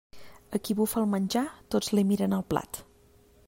A qui bufa el menjar, tots li miren el plat.